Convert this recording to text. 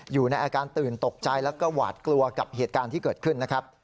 อยู่ในอาการตื่นตกใจแล้วก็หวาดกลัวกับเหตุการณ์ที่เกิดขึ้นนะครับ